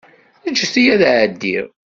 Ǧǧet-iyi ad ɛeddiɣ.